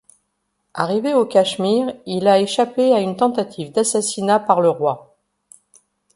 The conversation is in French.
Arrivé au Cachemire, il a échappé à une tentative d'assassinat par le roi.